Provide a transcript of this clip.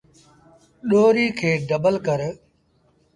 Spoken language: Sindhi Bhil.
ڏوريٚ کي ڊبل ڪر۔